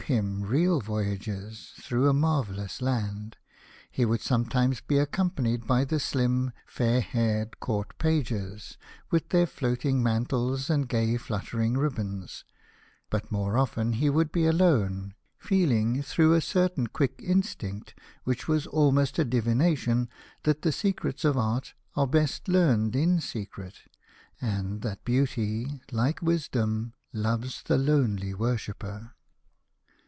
him real voyages through a marvellous land, he would sometimes be accompanied by the slim, fair haired Court pages, with their float ing mantles, and gay fluttering ribands ; but more often he would be alone, feeling through a certain quick instinct, which was almost a divination, that the secrets of art are best learned in secret, and that Beauty, like Wisdom, loves the lonely worshipper.